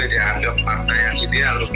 dianggap pak k yang ideal